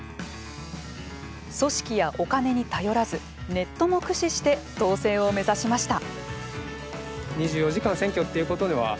組織やお金に頼らず、ネットも駆使して当選を目指しました。